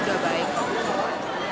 enggak keberatan sih kalau misalnya dinaikin